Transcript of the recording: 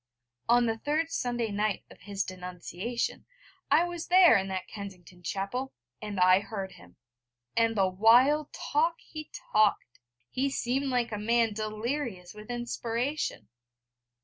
On the third Sunday night of his denunciation I was there in that Kensington chapel, and I heard him. And the wild talk he talked! He seemed like a man delirious with inspiration.